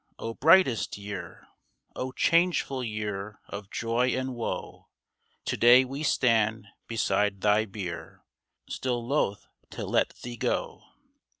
O brightest Year ! O changeful Year of joy and woe, To day we stand beside thy bier, Still loth to let thee go